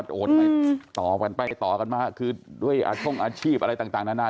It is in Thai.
โอนไปต่อกันไปต่อกันมาคือด้วยอาช่งอาชีพอะไรต่างนานา